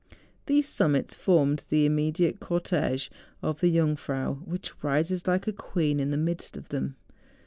These summits formed the im¬ mediate cortege of the Jungfrau, which rises like a queen in the midst of them.